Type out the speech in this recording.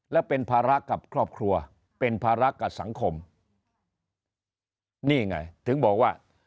และเป็นภาระกับครอบครัวเป็นภาระกับสังคมนี่ไงถึงบอกว่า